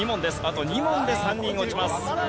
あと２問で３人落ちます。